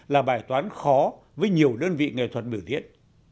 là bài toán khó với nhiều đơn vị nghệ thuật biểu diễn